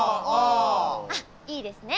あっいいですね。